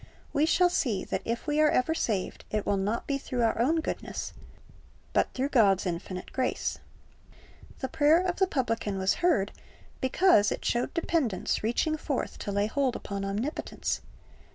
We shall see that if we are ever saved, it will not be through our own goodness, but through God's infinite grace. The prayer of the publican was heard because it showed dependence reaching forth to lay hold upon Omnipotence.